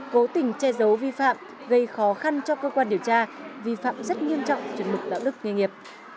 cố tình che giấu vi phạm gây khó khăn cho cơ quan điều tra vi phạm rất nghiêm trọng chuẩn mực đạo đức nghề nghiệp